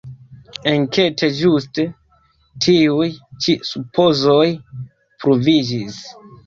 Enkete ĝuste tiuj ĉi supozoj pruviĝis.